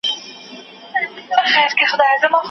په مدار مدار یې غاړه تاووله